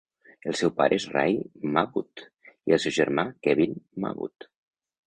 El seu pare és Ray Mabbutt i el seu germà, Kevin Mabbutt.